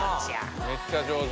めっちゃ上手。